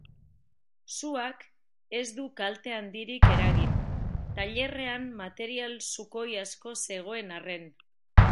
Suak ez du kalte handirik eragin, tailerrean material sukoi asko zegoen arren.